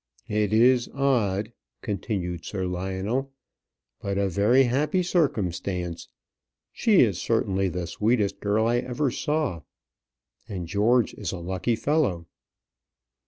"It is odd," continued Sir Lionel, "but a very happy circumstance. She is certainly the sweetest girl I ever saw; and George is a lucky fellow."